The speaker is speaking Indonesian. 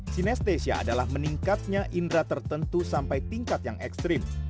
sinesttesia adalah meningkatnya indera tertentu sampai tingkat yang ekstrim